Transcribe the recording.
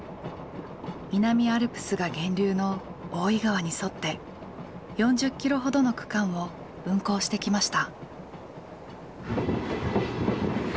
南アルプスが源流の大井川に沿って４０ｋｍほどの区間を運行してきました。